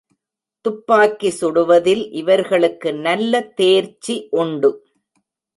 துப்பாக்கி சுடுவதில் இவர்களுக்கு நல்ல தேர்ச்சி உண்டு.